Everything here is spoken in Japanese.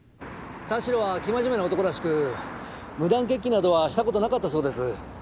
田代は生真面目な男らしく無断欠勤などはした事なかったそうです。